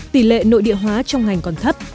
tỷ lệ nội địa hóa trong ngành còn thấp